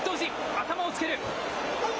頭をつける。